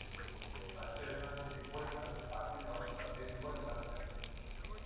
Atsedenalditik bueltan partida oso berdindua izan zen.